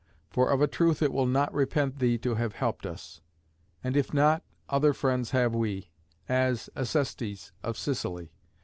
For of a truth it will not repent thee to have helped us. And if not, other friends have we, as Acestes of Sicily.